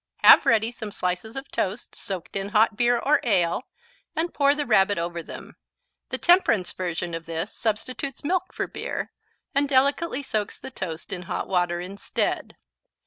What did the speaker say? Have ready some slices of toast soaked in hot beer or ale and pour the Rabbit over them. The temperance version of this substitutes milk for beer and delicately soaks the toast in hot water instead.